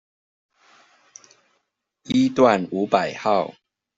一段五百號